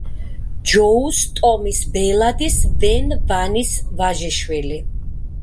ჯოუს ტომის ბელადის ვენ ვანის ვაჟიშვილი.